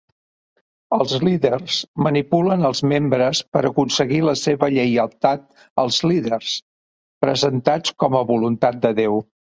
Els líders manipulen els membres per aconseguir la seva lleialtat als líders, presentats com a voluntat de Déu.